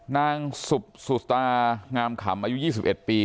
นางสุตางามขำอายุ๒๑ปี